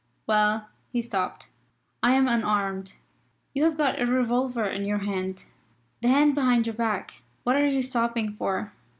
Well?" he stopped. "I am unarmed. You have got a revolver in your hand the hand behind your back. What are you stopping for?"